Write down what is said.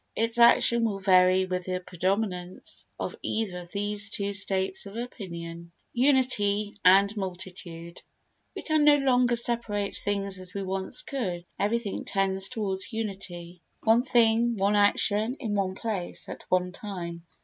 Its action will vary with the predominance of either of these two states of opinion. Unity and Multitude We can no longer separate things as we once could: everything tends towards unity; one thing, one action, in one place, at one time.